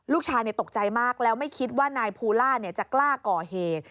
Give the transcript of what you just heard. ลูกชายตกใจมากแล้วไม่คิดว่านายภูล่าจะกล้าก่อเหตุ